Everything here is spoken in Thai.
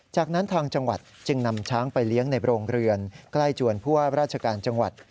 จากนั้นทางจังหวัดจึงนำช้างไปเลี้ยงในโรงเรือนใกล้จวนผู้ว่าราชการจังหวัด